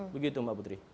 begitu mbak putri